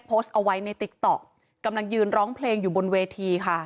โพสต์เอาไว้ในติ๊กต๊อกกำลังยืนร้องเพลงอยู่บนเวทีค่ะ